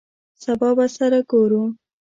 سبا به سره ګورو !